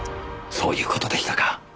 そういう事でしたか。